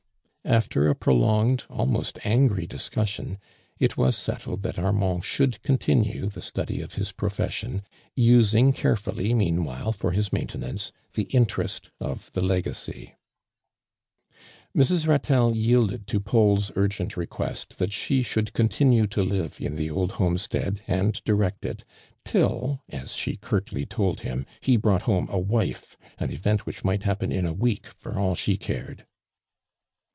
A.fter a prolonged, almost angry discxis sipn, it was settled that Armand should continue the study of his profession, using carefully meanwhile, for his maintenance, the interest of the legacy. Mrs. Batelle yielded to Paul's urgent re quest that she should continue to live in the old homestead and direct it, till, as she curtly told him, he brought home a wife, an event which might liappen in a week for all she cared.